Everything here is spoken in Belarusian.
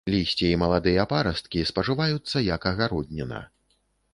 Лісце і маладыя парасткі спажываюцца як агародніна.